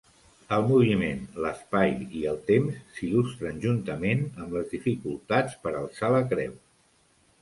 El moviment, l'espai i el temps s'il·lustren juntament amb les dificultats per alçar la creu.